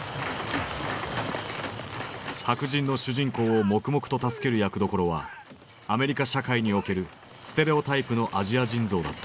白人の主人公を黙々と助ける役どころはアメリカ社会におけるステレオタイプのアジア人像だった。